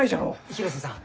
広瀬さん